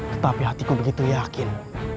tetapi hatiku begitu yakin